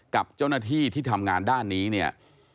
กับเจ้าหน้าที่ที่ทำงานด้านนี้เนี่ย